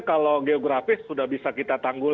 kalau geografis sudah bisa kita tanggul